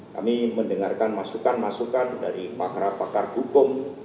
kami mendengarkan masukan masukan dari pakar pakar hukum